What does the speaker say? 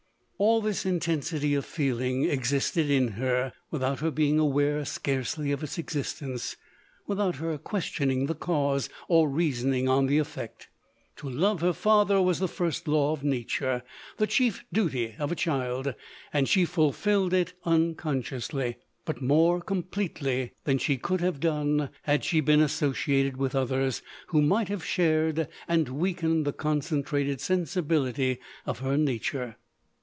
All this intensity of feeling ex isted in her, without her being aware scarcely of it« existence, without her questioning the cause, or reasoning on the effect. To love her father was the first law of nature, the chief duty of a child, and she fulfilled it unconsciously, but more completely than she could have done had she been associated with others, who might have shared and weakened the concentrated sen sibility of her nature.